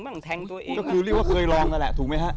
ก็คือเรียกว่าเคยลองนั้นแหละถูกมั้ยฮะ